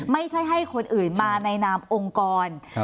ไม่ใช่ให้คนอื่นมาในนามองค์กร